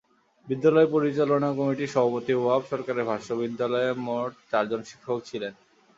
বিদ্যালয় পরিচালনা কমিটির সভাপতি ওহাব সরকারের ভাষ্য, বিদ্যালয়ে মোট চারজন শিক্ষক ছিলেন।